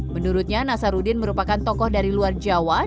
menurutnya nasaruddin merupakan tokoh dari luar jawa